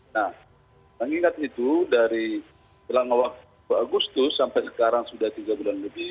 nah mengingat itu dari selang waktu agustus sampai sekarang sudah tiga bulan lebih